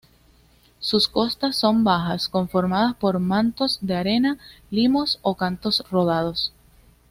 Sus costas son bajas, conformadas por mantos de arena, limos o cantos rodados.